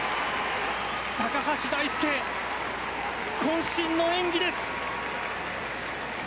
高橋大輔、渾身の演技です！